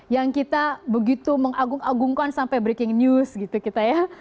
yang kita begitu mengagung agungkan sampai breaking news gitu kita ya